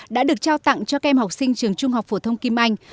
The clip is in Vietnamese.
đã được trao tặng cho các em học sinh trường trung học phổ thông kim anh